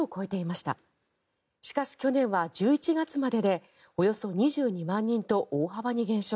しかし、去年は１１月まででおよそ２２万人と大幅に減少。